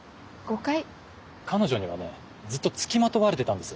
彼女にはねずっと付きまとわれてたんです。